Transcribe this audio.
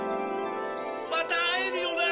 またあえるよな？